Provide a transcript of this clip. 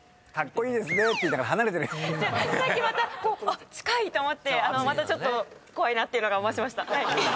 さっきまたあっ近いと思ってまたちょっと怖いなっていうのが増しました。